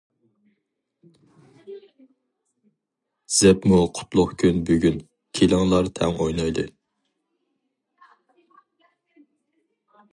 زەپمۇ قۇتلۇق كۈن بۈگۈن، كېلىڭلار تەڭ ئوينايلى.